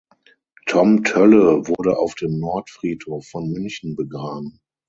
Tom Toelle wurde auf dem Nordfriedhof von München begraben.